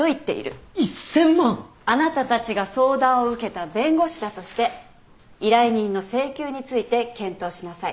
あなたたちが相談を受けた弁護士だとして依頼人の請求について検討しなさい。